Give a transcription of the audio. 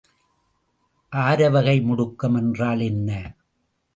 ஆரவகை முடுக்கம் என்றால் என்ன?